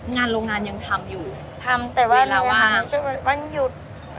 งานโรงงานยังทำอยู่เวลาว่าทำแต่วันหยุด